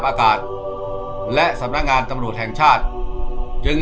ถ้าประชาชนไม่ได้เลือก